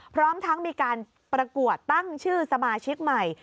พร้อมทั้งมีการประกวดตั้งชื่อสมาชิกใหม่